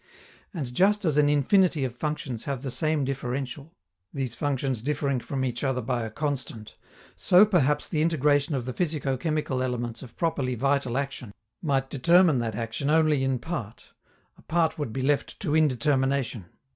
And just as an infinity of functions have the same differential, these functions differing from each other by a constant, so perhaps the integration of the physico chemical elements of properly vital action might determine that action only in part a part would be left to indetermination.